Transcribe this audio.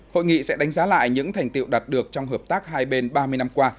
hội nghị sẽ đánh giá lại những thành tiệu đạt được trong hợp tác hai bên ba mươi năm qua